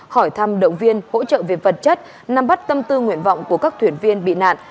hỏi thăm động viên hỗ trợ về vật chất nắm bắt tâm tư nguyện vọng của các thuyền viên bị nạn